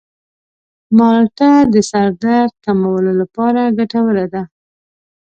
مالټه د سر درد کمولو لپاره ګټوره ده.